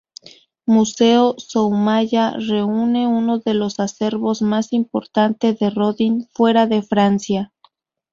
Museo Soumaya reúne uno de los acervos más importante de Rodin fuera de Francia.